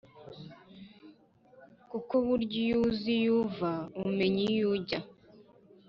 kuko burya iyo uzi iyo uva umenya iyo ujya